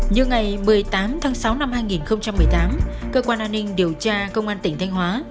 như ngày một mươi tám tháng sáu năm hai nghìn một mươi tám cơ quan an ninh điều tra công an tỉnh thanh hóa